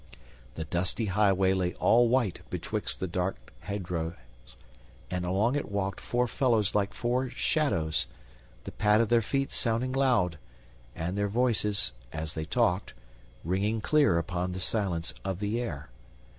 The dusty highway lay all white betwixt the dark hedgerows, and along it walked four fellows like four shadows, the pat of their feet sounding loud, and their voices, as they talked, ringing clear upon the silence of the air.